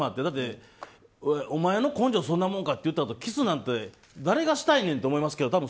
だって、お前の根性そんなもんかって言ったあとキスなんて、誰がしたいねんって思いますけど。